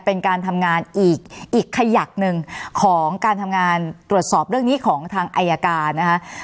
เป็นการทำงานอีกขยักหนึ่งของการทำงานตรวจสอบเรื่องนี้ของทางอายการนะคะ